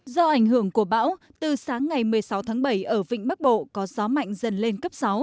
do ảnh hưởng của bão từ sáng ngày một mươi sáu tháng bảy ở vịnh bắc bộ có gió mạnh dần lên cấp sáu